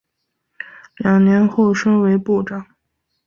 两年后升为部长。